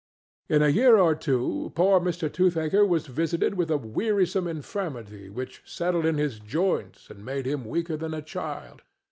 In a year or two poor Mr. Toothaker was visited with a wearisome infirmity which settled in his joints and made him weaker than a child.